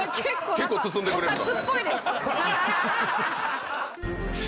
結構包んでくれるかも。